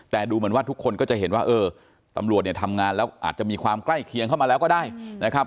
แต่ดูเหมือนว่าทุกคนก็จะเห็นว่าเออตำรวจเนี่ยทำงานแล้วอาจจะมีความใกล้เคียงเข้ามาแล้วก็ได้นะครับ